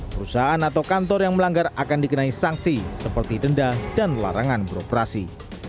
perusahaan atau kantor yang melanggar akan dikenai sanksi seperti denda dan larangan beroperasi